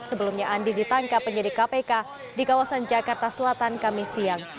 sebelumnya andi ditangkap penyidik kpk di kawasan jakarta selatan kami siang